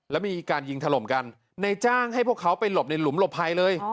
แล้วมีการยิงถล่มกันในจ้างให้พวกเขาไปหลบในหลุมหลบภัยเลย